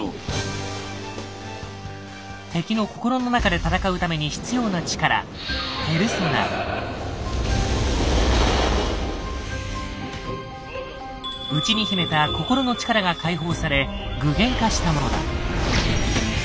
敵の心の中で戦うために必要な力内に秘めた心の力が解放され具現化したものだ。